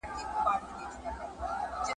د منصور دین مي منلې او له دار سره مي ژوند دی !.